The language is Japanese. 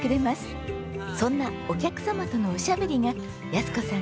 そんなお客様とのおしゃべりが安子さん